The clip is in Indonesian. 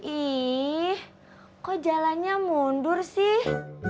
ih kok jalannya mundur sih